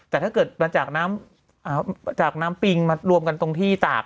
แต่ถ้าเกิดมาจากน้ำจากน้ำปิงมารวมกันตรงที่ตาก